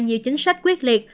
nhiều chính sách quyết liệt